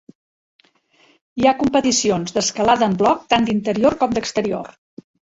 Hi ha competicions d'escalada en bloc tant d'interior com d'exterior.